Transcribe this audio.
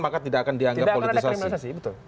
maka tidak akan dianggap politisasi